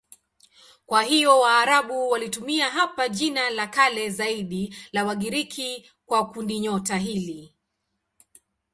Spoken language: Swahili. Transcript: Kwa hiyo Waarabu walitumia hapa jina la kale zaidi la Wagiriki kwa kundinyota hili.